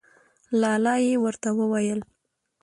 لا لا یې ورته وویل.